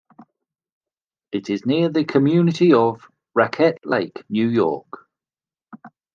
It is near the community of Raquette Lake, New York.